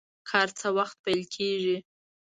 کار څه وخت پیل کیږي؟